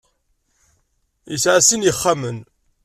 Yesɛa sin n yixxamen.